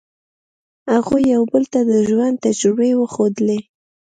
هغوی یو بل ته د ژوند تجربې وښودلې.